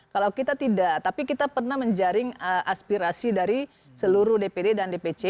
kalau kita tidak tapi kita pernah menjaring aspirasi dari seluruh dpd dan dpc